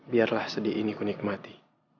biarlah sedih ini ku nikmati